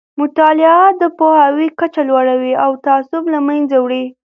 مطالعه د پوهاوي کچه لوړوي او تعصب له منځه وړي.